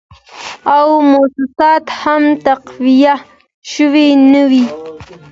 او موسسات هم تقویه شوي نه وې